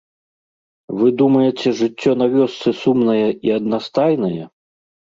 Вы думаеце, жыццё на вёсцы сумнае і аднастайнае?